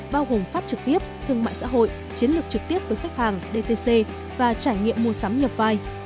bao gồm phát trực tiếp thương mại xã hội chiến lược trực tiếp với khách hàng dtc và trải nghiệm mua sắm nhập vai